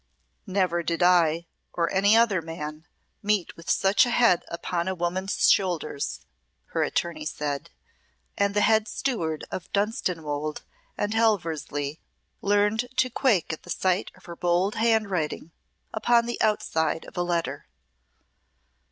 "Never did I or any other man meet with such a head upon a woman's shoulders," her attorney said. And the head steward of Dunstanwolde and Helversly learned to quake at the sight of her bold handwriting upon the outside of a letter.